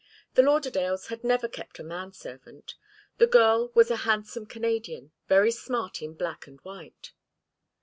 The Lauderdales had never kept a man servant. The girl was a handsome Canadian, very smart in black and white.